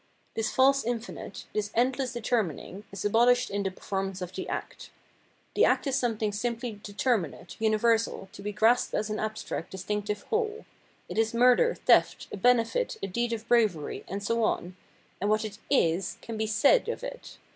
This false infinite, this endless determining, is abolished in the performance of the act. The act is some thing simply determinate, universal, to be grasped as an abstract, distinctive whole ; it is murder, theft, a benefit, a deed of bravery, and so on, and what it is can be said of it.